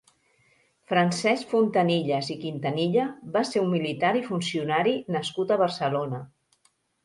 Francesc Fontanilles i Quintanilla va ser un militar i funcionari nascut a Barcelona.